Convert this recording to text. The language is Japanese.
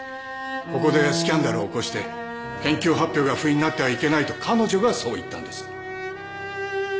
ここでスキャンダルを起こして研究発表がふいになってはいけないと彼女がそう言ったんです。